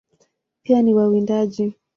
Pia ni wawindaji.